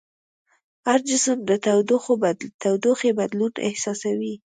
هر جسم د تودوخې بدلون احساسوي.